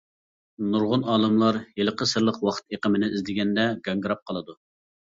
نۇرغۇن ئالىملار ھېلىقى سىرلىق ۋاقىت ئېقىمىنى ئىزدىگەندە گاڭگىراپ قالىدۇ.